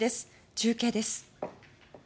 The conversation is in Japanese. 中継です。